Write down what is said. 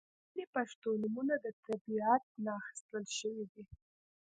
• ځینې پښتو نومونه د طبیعت نه اخستل شوي دي.